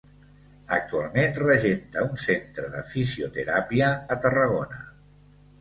Actualment regenta un centre de fisioteràpia a Tarragona.